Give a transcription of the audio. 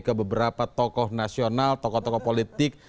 ke beberapa tokoh nasional tokoh tokoh politik